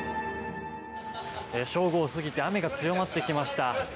正午を過ぎて雨が強まってきました。